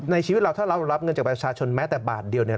ชีวิตเราถ้าเรารับเงินจากประชาชนแม้แต่บาทเดียวเนี่ย